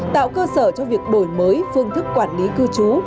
tạo cơ sở cho việc đổi mới phương thức quản lý cư trú